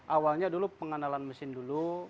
awalnya dulu pengenalan mesin dulu